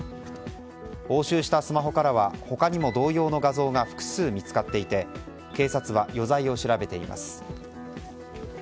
押収したスマホからは他にも同様の画像が複数見つかっていて警察は余罪を調べています。